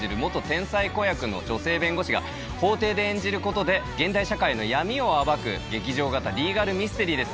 天才子役の女性弁護士が法廷で演じることで現代社会の闇を暴く劇場型リーガルミステリーです。